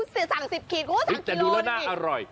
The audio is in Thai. อุ้ยสั่ง๑๐ขีดอุ้ยสั่ง๑กิโลนิค